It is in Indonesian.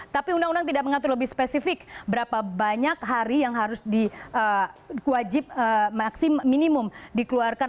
tapi undang undang tidak mengatur lebih spesifik berapa banyak hari yang harus diwajib maksimum dikeluarkan